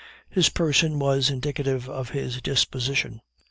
His person was indicative of his disposition.